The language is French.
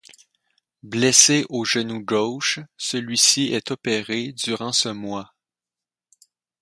Blessée au genou gauche, celui-ci est opéré durant ce mois.